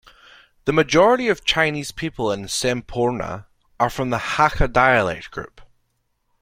The majority of Chinese people in Semporna are from the Hakka dialect group.